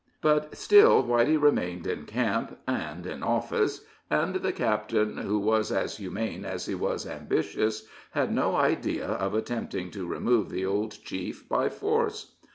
But still Whitey remained in camp and in office, and the captain, who was as humane as he was ambitious, had no idea of attempting to remove the old chief by force.